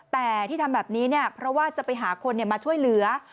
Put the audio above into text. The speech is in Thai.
แต่ที่ทำแบบนี้เนี่ยเพราะว่าจะไปหาคนมาช่วยเหลือ